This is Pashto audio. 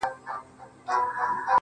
• د ژوند خوارۍ كي يك تنها پرېږدې.